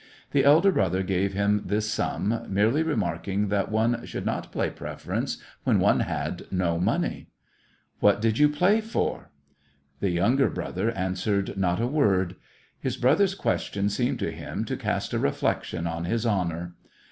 The elder brother gave him this sum, merely remarking that one should not play preference when one had no money. " What did you play for }" The younger brother .answered not a word. His brother's question seemed to him to cast a reflec tion on his honor.